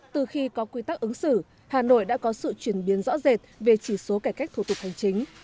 từ khi có quy tắc ứng xử hà nội đã có sự chuyển biến rõ rệt về chỉ số cải cách thủ tục hành chính